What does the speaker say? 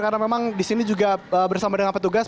karena memang di sini juga bersama dengan petugas